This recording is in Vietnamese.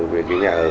về cái nhà ở